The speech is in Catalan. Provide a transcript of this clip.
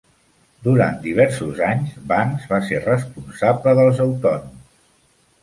Durant diversos anys Banks va ser responsable dels autònoms.